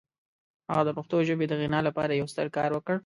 هغه د پښتو ژبې د غنا لپاره یو ستر کار وکړ.